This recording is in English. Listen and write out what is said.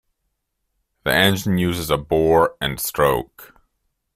The engine uses a bore and stroke.